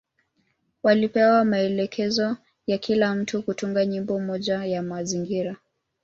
Walipewa maelekezo ya kila mtu kutunga nyimbo moja ya mazingira.